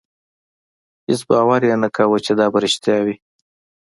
هېڅ باور یې نه کاوه چې دا به رښتیا وي.